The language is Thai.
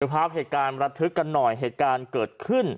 ภาพเหตุการณ์ระทึกกันหน่อยเหตุการณ์เกิดขึ้น